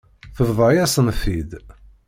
Tebḍa-yasen-t-id.